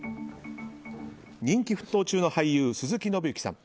人気沸騰中の俳優・鈴木伸之さん。